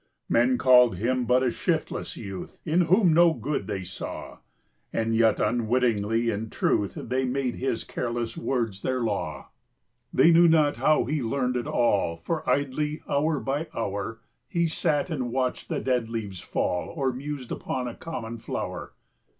20 Men called him but a shiftless youth, In whom no good they saw; And yet, unwittingly, in truth, They made his careless words their law. They knew not how he learned at all, 25 For idly, hour by hour, He sat and watched the dead leaves fall, Or mused upon a common flower.